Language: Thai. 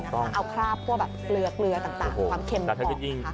ถูกต้องเอาคราบพวกแบบเกลือเกลือต่างต่างความเค็มแต่ถ้าจริงจริง